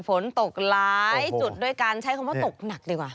ฝนตกหลายจุดด้วยการใช้คำว่าตกหนักดีกว่า